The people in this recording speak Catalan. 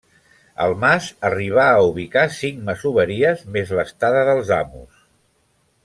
El mas arribà a ubicar cinc masoveries més l'estada dels amos.